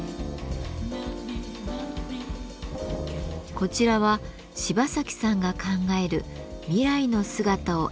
こちらは芝崎さんが考える未来の姿を描いたもの。